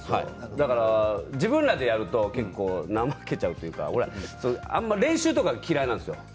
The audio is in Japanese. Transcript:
だから自分らだけやると結構怠けちゃうというかあまり練習とか嫌いなんですよ。